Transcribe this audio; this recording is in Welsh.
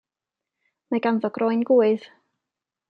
Mae ganddo groen gŵydd.